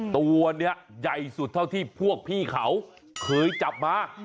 ตัวนี้ใหญ่สุดเท่าที่พวกพี่เขาเคยจับมา